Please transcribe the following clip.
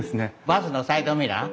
バスのサイドミラー。